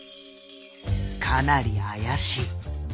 かなり怪しい。